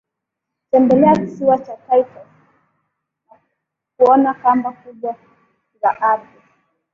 Tembelea kisiwa cha Turtle na kuona kamba kubwa za ardhi